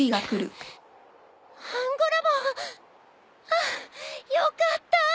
ああよかった。